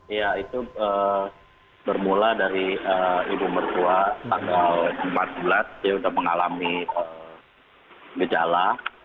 iya itu bermula dari ibu mertua tanggal empat belas dia sudah mengalami gejala